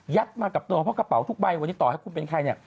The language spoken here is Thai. มากับตัวเพราะกระเป๋าทุกใบวันนี้ต่อให้คุณเป็นใครเนี่ย